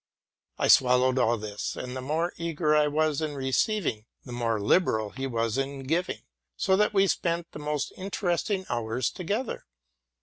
I swallowed all this; and the more eager I was in receiving, the more liberal was he in giving, so 'that we spent the most interesting hours together.